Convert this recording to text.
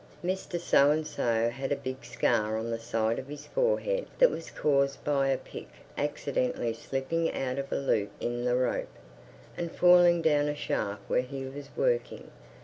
Mr So and so had a big scar on the side of his forehead that was caused by a pick accidentally slipping out of a loop in the rope, and falling down a shaft where he was working.